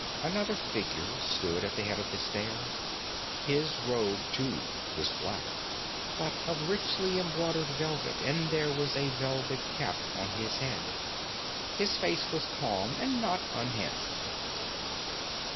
Another figure stood at the head of the stair. His robe, too, was black, but of richly embroidered velvet, and there was a velvet cap on his head. His face was calm, and not unhandsome.